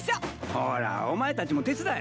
ほらお前たちも手伝え。